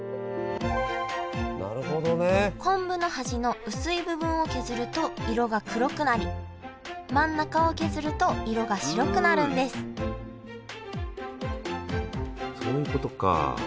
昆布の端の薄い部分を削ると色が黒くなり真ん中を削ると色が白くなるんですそういうことか。